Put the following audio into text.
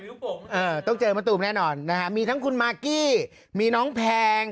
เออต้องเจอมะตูมแน่นอนนะฮะมีทั้งคุณมากกี้มีน้องแพง